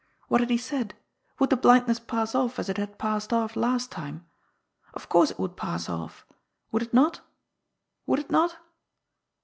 What had he said ? Would the blindness pass off as it had passed off last time ? Of course it would pass off — ^would it not ? would it not